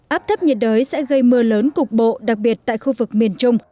áp thấp nhiệt đới sẽ gây mưa lớn cục bộ đặc biệt tại khu vực miền trung